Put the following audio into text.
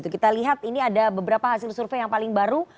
kita lihat ini ada beberapa hasil survei yang paling baru